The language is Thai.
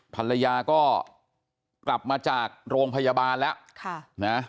ภรรยาก็กลับมาจากโรงพยาบาลแล้วนะ